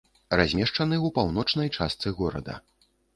Размешчаны ў паўночнай частцы горада.